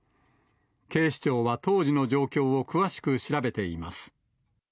警視庁は当時の状況を詳しく調べています。